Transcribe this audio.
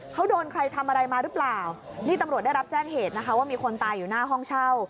เขาโดนใครทำอะไรมาหรือเปล่านี่ตำรวจได้รับแจ้งเหตุนะคะว่ามีคนตายอยู่หน้าห้องเช่า